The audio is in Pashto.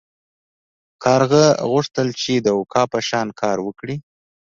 کارغه غوښتل چې د عقاب په شان کار وکړي.